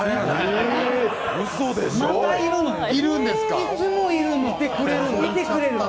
いつもいるの、いてくれるの。